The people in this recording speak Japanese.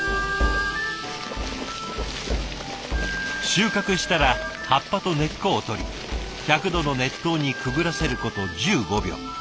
収穫したら葉っぱと根っこを取り１００度の熱湯にくぐらせること１５秒。